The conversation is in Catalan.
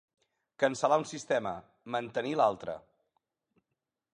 Cancel·lar un sistema, mantenir l'altre.